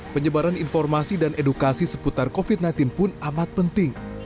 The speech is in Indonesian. penyebaran informasi dan edukasi seputar covid sembilan belas pun amat penting